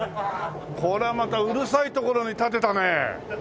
これはまたうるさい所に建てたね。